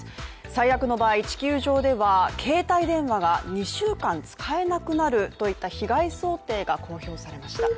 最悪の場合、地球上では携帯電話が２週間使えなくなるといった被害想定が公表されました。